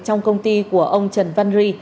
trong công ty của ông trần văn ri